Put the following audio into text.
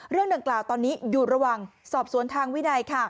เรื่องดังกล่าวตอนนี้อยู่ระหว่างสอบสวนทางวินัย